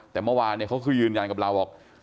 แต่เมื่อวานเขาคือยืนยันกับเราบอก